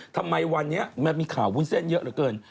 ทำไมวันนี้มันมีข่าววุ้นเส้นเยอะเหลือเกิน